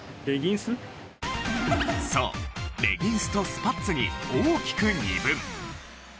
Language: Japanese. そうレギンスとスパッツに大きく二分。